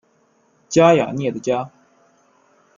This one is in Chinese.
加雅涅的家。